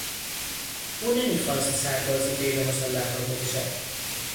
او نمیخواست سرباز غیر مسلح را بکشد.